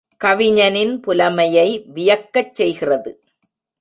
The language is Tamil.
கவிஞனின் புலமையை வியக்கச் செய்கிறது.